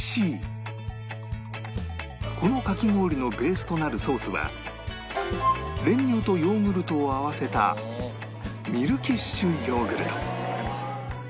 このかき氷のベースとなるソースは練乳とヨーグルトを合わせたミルキッシュヨーグルト